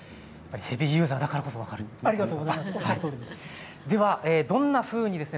ヘビーユーザーだからこそ分かるんですね。